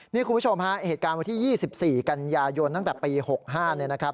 นี่คุณผู้ชมเหตุการณ์วันที่๒๔กันยายนตั้งแต่ปี๖๕